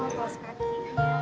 yang pake kaki pertama